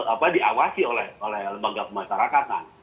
apa diawasi oleh lembaga pemasarakatan